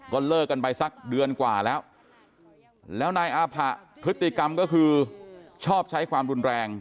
ก็เลิกกันไปสักเดือนกว่าแล้วแล้วนายอาผะพฤติกรรมก็คือชอบใช้ความรุนแรง